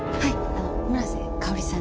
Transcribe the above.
あの村瀬香織さん